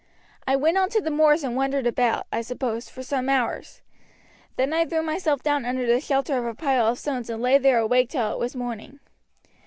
I went on to the moors and wandered about, I suppose for some hours. Then I threw myself down under the shelter of a pile of stones and lay there awake till it was morning.